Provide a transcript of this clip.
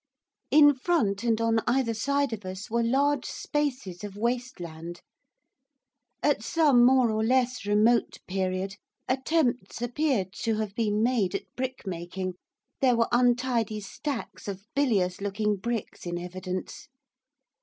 In front and on either side of us were large spaces of waste land. At some more or less remote period attempts appeared to have been made at brickmaking, there were untidy stacks of bilious looking bricks in evidence.